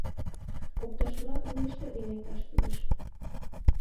Оптышыла уэш терген лекташ кӱлеш.